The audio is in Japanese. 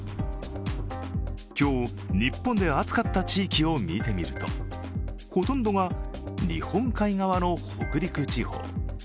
今日、日本で暑かった地域を見てみるとほとんどが日本海側の北陸地方。